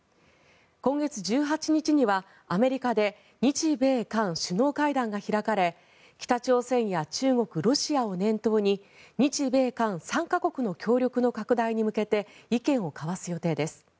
今月１８日には、アメリカで日米韓首脳会談が開かれ北朝鮮や中国、ロシアを念頭に日米韓３か国の協力の拡大に向けて意見を交わす予定です。